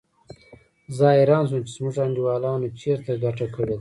زه حیران شوم چې زموږ انډیوالانو چېرته ګټه کړې ده.